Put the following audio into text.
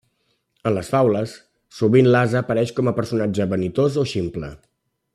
En les faules sovint l'ase apareix com a personatge vanitós o ximple.